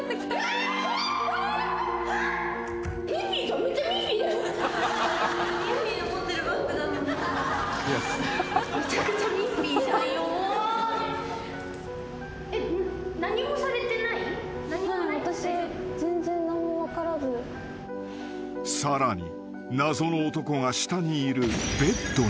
［さらに謎の男が下にいるベッドに］